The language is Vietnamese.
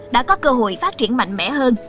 đã có cơ hội phát triển mạnh mẽ hơn